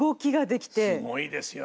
すごいですよね。